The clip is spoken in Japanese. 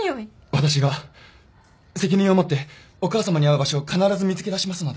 私が責任を持ってお母さまに合う場所を必ず見つけ出しますので。